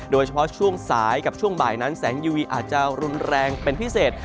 โดยเฉพาะช่วงสายกับช่วงบ่ายนั้นแสงยูวีอาจจะรุนแรงเป็นพิเศษ